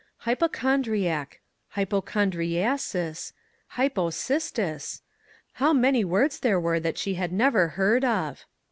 " Hypochondriac, hypochondriasis, hypo cistis !" how many words there were that she had never heard of.